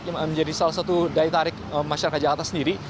yang menjadi salah satu daya tarik masyarakat jakarta sendiri